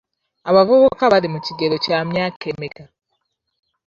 Abavubuka bali mu kigero kya myaka emeka?